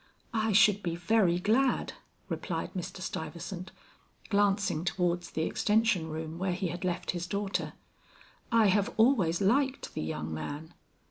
"I should be very glad," replied Mr. Stuyvesant, glancing towards the extension room where he had left his daughter. "I have always liked the young man."